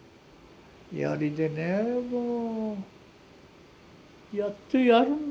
槍でねもうやってやるんだよね。